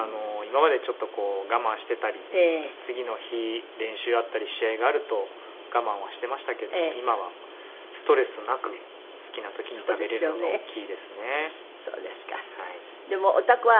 今までちょっとこう我慢してたり次の日練習あったり試合があると我慢をしてましたけど今はストレスなく好きな時に食べれるのが大きいですね。